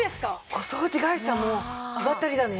お掃除会社も上がったりだね。